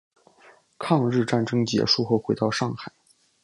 抗日战争结束后回到上海。